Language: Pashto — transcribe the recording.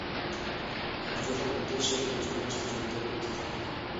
حجره په دې شکل څو میاشتې ژوندی پاتې کیږي.